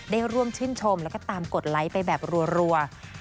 ได้ร่วมชื่นชมแล้วก็ตามกดไลค์ไปแบบรัว